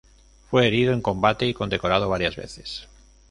Fue herido en combate y condecorado varias veces.